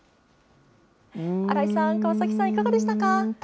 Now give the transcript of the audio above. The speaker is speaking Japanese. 新井さん、川崎さん、いかがでしたか。